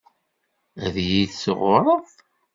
Ad yi-tɣurreḍ.